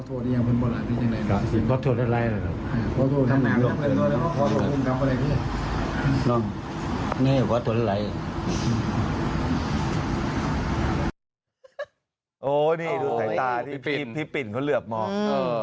นี่ดูสายตาที่พี่ปิ่นเขาเหลือบมอง